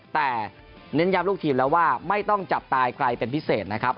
แต่เน้นย้ำลูกทีมแล้วว่าไม่ต้องจับตายใครเป็นพิเศษนะครับ